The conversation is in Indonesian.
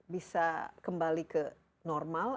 bisa kembali ke normal